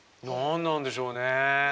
何なんでしょうね？